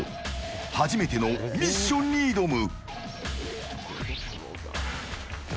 初めてのミッションに挑む。